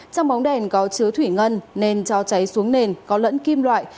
trong bóng đèn có chứa thủy ngân nên cho cháy xuống nền có lẫn kim loại